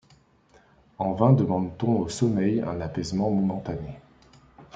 En vain demande-t-on au sommeil un apaisement momentané!